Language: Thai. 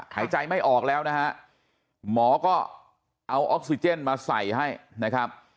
หายใจไม่ออกแล้วนะฮะหมอก็เอาออกซิเจนมาใส่ให้นะครับ